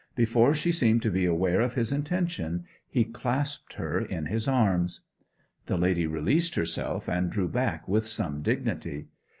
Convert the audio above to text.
Before she seemed to be aware of his intention he clasped her in his arms. The lady released herself and drew back with some dignity.